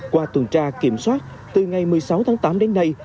qua tuần tra kiểm soát từ ngày một mươi sáu tháng tám đến nay